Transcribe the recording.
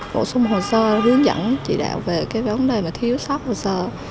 bổ sung hồ sơ hướng dẫn chỉ đạo về cái vấn đề mà thiếu sót hồ sơ